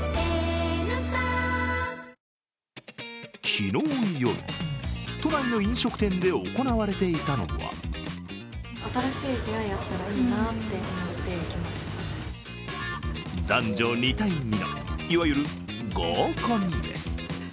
昨日夜、都内の飲食店で行われていたのは男女２対２の、いわゆる合コンです。